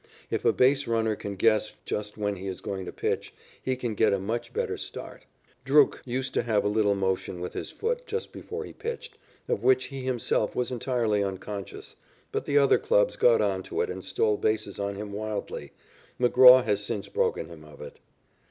If a base runner can guess just when he is going to pitch, he can get a much better start. Drucke used to have a little motion with his foot just before he pitched, of which he himself was entirely unconscious, but the other clubs got on to it and stole bases on him wildly. McGraw has since broken him of it.